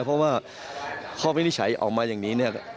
เพราะว่าข้อบินทิศไฉค์ออกมาอย่างนี้